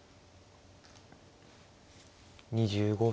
２５秒。